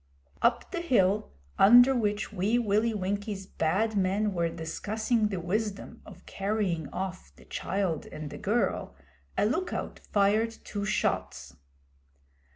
Up the hill under which Wee Willie Winkie's Bad Men were discussing the wisdom of carrying off the child and the girl, a look out fired two shots.